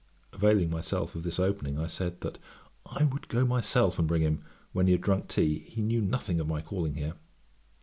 Availing myself of this opening, I said that 'I would go myself and bring him, when he had drunk tea; he knew nothing of my calling here.'